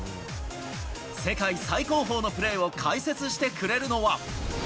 世界最高峰のプレーを解説してくれるのは。